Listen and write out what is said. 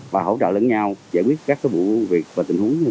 và hỗ trợ lẫn nhau giải quyết các bộ việc và tình huống xảy ra